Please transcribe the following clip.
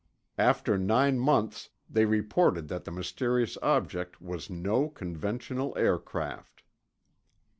After nine months, they reported that the mysterious object was no conventional aircraft.